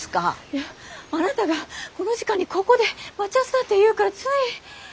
いやあなたがこの時間にここで待ち合わせだって言うからつい。